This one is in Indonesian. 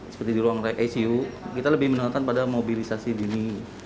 seperti di ruang icu kita lebih menontakan pada mobilisasi dini